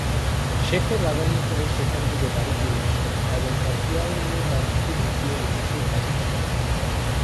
শেখর রাগান্বিত হয়ে সেখান থেকে বাড়ি ফিরে আসে এবং তার পিয়ানো নিয়ে তার খুবই প্রিয় একটি সুর বাজাতে থাকে।